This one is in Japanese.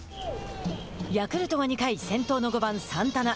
ヤクルトは２回先頭の５番サンタナ。